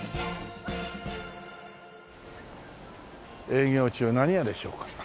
営業中何屋でしょうか？